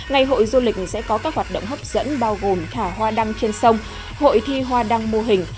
ngày hội du lịch sẽ có các hoạt động hấp dẫn bao gồm thả hoa đăng trên sông hội thi hoa đăng mô hình